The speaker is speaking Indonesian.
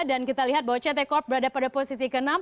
dan kita lihat bahwa ct corp berada pada posisi ke enam